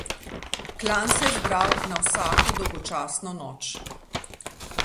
Klan se je zbral na vsako dolgočasno noč.